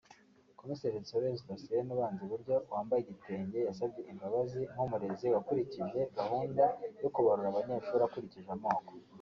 Komiseri Dusabeyezu Thacienne ubanza iburyo wambaye ibitenge yasabye imbabazi nk’umurezi wakurikije gahunda yo kubarura abanyeshuri akurikije amoko